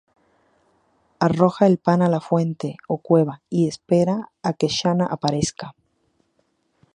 Arroja el pan a la fuente o cueva y espera que la xana aparezca.